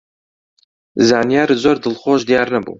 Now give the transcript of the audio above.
زانیار زۆر دڵخۆش دیار نەبوو.